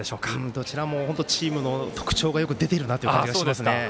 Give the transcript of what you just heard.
どちらもチームの特徴出ているなという感じがしました。